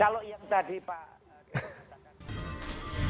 kalau iya tadi pak